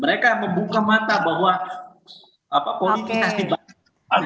mereka membuka mata bahwa politik kita dibangun